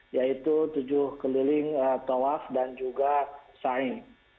yaitu tujuh keliling tawaf dan juga saing